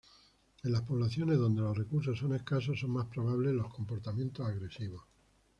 En las poblaciones donde los recursos son escasos son más probables los comportamientos agresivos.